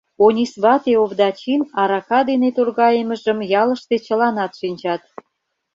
Онис вате Овдачин арака дене торгайымыжым ялыште чыланат шинчат.